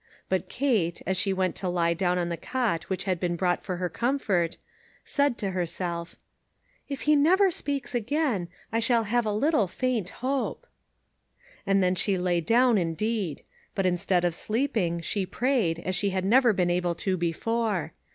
But Kate, as she went to lie down on the cot which had been brought for her comfort, said to herself: " If he never speaks again, I shall have a little faint hope." And then she lay down, indeed ; but in stead of sleeping, she prayed, as she had never been able to before.